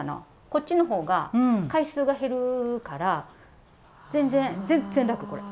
こっちの方が回数が減るから全然全然楽これ。